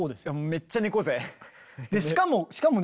めっちゃ猫背。